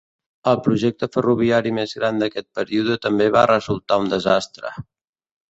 El projecte ferroviari més gran d'aquest període també va resultar un desastre.